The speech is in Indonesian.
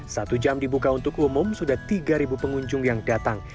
satu jam dibuka untuk umum sudah tiga pengunjung yang datang